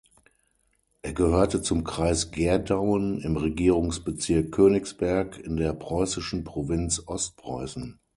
Er gehörte zum Kreis Gerdauen im Regierungsbezirk Königsberg in der preußischen Provinz Ostpreußen.